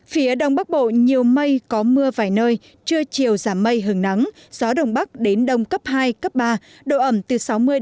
phía đông bắc bộ nhiều mây có mưa vài nơi trưa chiều giảm mây hứng nắng gió đông bắc đến đông cấp hai cấp ba độ ẩm từ sáu mươi năm mươi